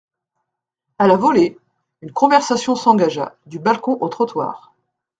A la volée, une conversation s'engagea, du balcon au trottoir.